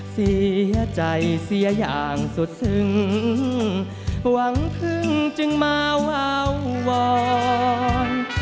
เสียใจเสียอย่างสุดซึ้งหวังพึ่งจึงมาวาวอน